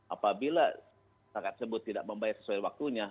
apabila masyarakat tersebut tidak membayar sesuai waktunya